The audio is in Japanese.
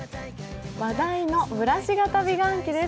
話題のブラシ型美顔器です。